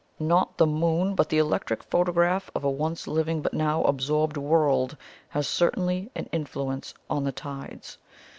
"Not the Moon, but the electric photograph of a once living but now absorbed world, has certainly an influence on the tides.